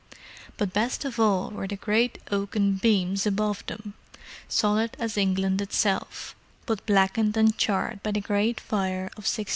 But best of all were the great oaken beams above them, solid as England itself, but blackened and charred by the Great Fire of 1666.